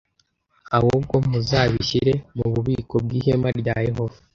ahubwo muzabishyire mu bubiko bw’ihema rya Yehova